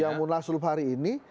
yang munasulup hari ini